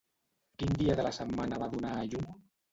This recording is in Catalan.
Quin dia de la setmana va donar a llum?